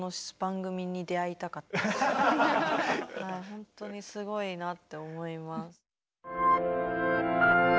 ほんとにすごいなって思います。